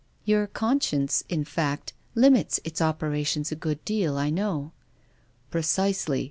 " Your conscience, in fact, limits its operations a good deal, I know." " Precisely.